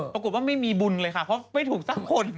ปรากฏว่าไม่มีบุญเลยค่ะเพราะไม่ถูกสักคน